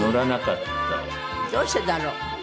どうしてだろう？